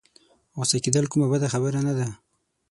غوسه کېدل کومه بده خبره نه ده.